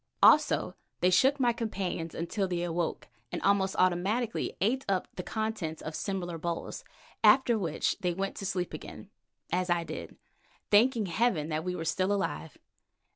Also they shook my companions until they awoke and almost automatically ate up the contents of similar bowls, after which they went to sleep again, as I did, thanking heaven that we were all still alive.